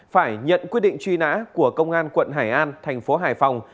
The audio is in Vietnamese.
phải nhận quyết định truy nã của công an quận hải an tp hải phòng